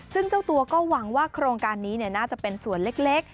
ซึ่งเจ้าตัวก็หวังว่าโครงการนี้น่าจะเป็นส่วนเล็ก